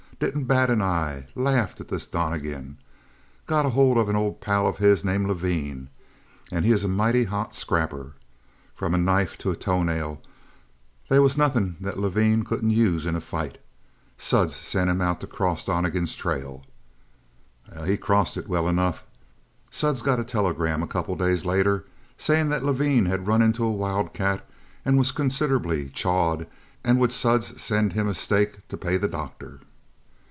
Didn't bat an eye. Laughed at this Donnegan. Got a hold of an old pal of his, named Levine, and he is a mighty hot scrapper. From a knife to a toenail, they was nothing that Levine couldn't use in a fight. Suds sent him out to cross Donnegan's trail. "He crossed it, well enough. Suds got a telegram a couple days later saying that Levine had run into a wild cat and was considerable chawed and would Suds send him a stake to pay the doctor?